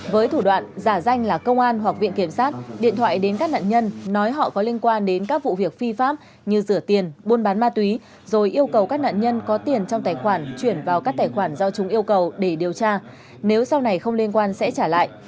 với thủ đoạn giả danh là công an hoặc viện kiểm sát điện thoại đến các nạn nhân nói họ có liên quan đến các vụ việc phi pháp như rửa tiền buôn bán ma túy rồi yêu cầu các nạn nhân có tiền trong tài khoản chuyển vào các tài khoản do chúng yêu cầu để điều tra nếu sau này không liên quan sẽ trả lại